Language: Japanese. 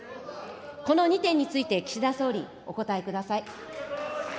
この２点について、岸田総理、お答えください。